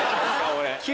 俺。